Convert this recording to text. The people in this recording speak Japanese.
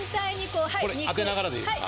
当てながらでいいですか。